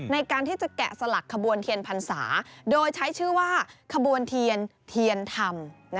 ในการที่จะแกะสลักขบวนเทียนพรรษาโดยใช้ชื่อว่าขบวนเทียนเทียนธรรม